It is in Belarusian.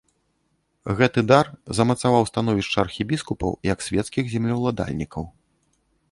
Гэты дар замацаваў становішча архібіскупаў як свецкіх землеўладальнікаў.